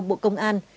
bộ công an